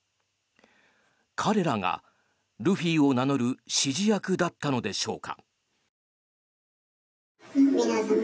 彼らが、ルフィを名乗る指示役だったのでしょうか。